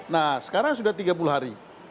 nah sekarang sudah tiga puluh hari